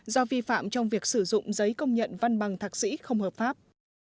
do vi phạm trong việc sử dụng giấy công nhận văn bằng thạc sĩ không hợp pháp